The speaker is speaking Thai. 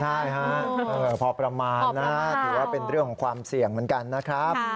ใช่ฮะพอประมาณนะถือว่าเป็นเรื่องของความเสี่ยงเหมือนกันนะครับ